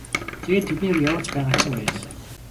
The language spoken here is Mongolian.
Тэгээд тэднийг явуулж байгаад чинь баярлалаа.